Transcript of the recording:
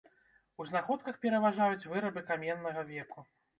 У знаходках пераважаюць вырабы каменнага веку.